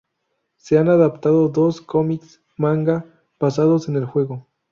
Se han adaptado dos comics manga basados en el juego.